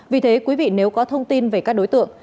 vì thế quý vị nếu có thông tin về các đối tượng